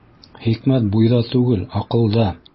Хикмәт буйҙа түгел, аҡылда.